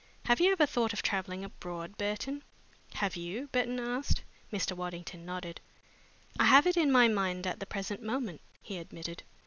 Have you ever thought of travelling abroad, Burton?" "Have you?" Burton asked. Mr. Waddington nodded. "I have it in my mind at the present moment," he admitted.